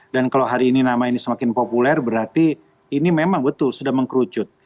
dan kalau hari ini nama ini semakin populer berarti ini memang betul sudah mengkerucut